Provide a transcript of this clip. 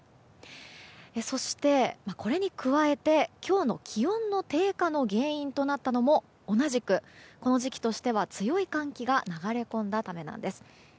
そして、これに加えて今日の気温の低下の原因となったのも同じくこの時期としては強い寒気が流れ込んだためなんです。